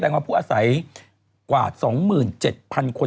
ว่าผู้อาศัยกว่า๒๗๐๐คน